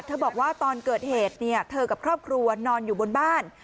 บอกว่าตอนเกิดเหตุเธอกับครอบครัวนอนอยู่บนบ้าน